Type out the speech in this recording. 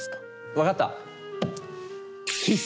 わかった！